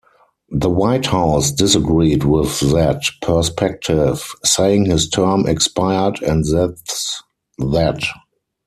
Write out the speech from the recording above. The White House disagreed with that perspective, saying His term expired and that's that.